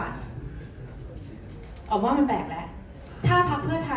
อ๋อแต่มีอีกอย่างนึงค่ะ